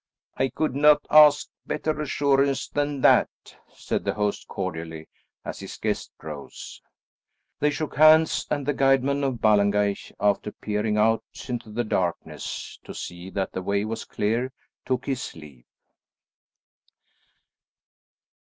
"I could not ask better assurance than that," said the host cordially as his guest rose. They shook hands, and the guidman of Ballengeich, after peering out into the darkness to see that the way was clear, took his leave.